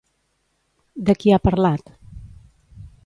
De qui ha parlat?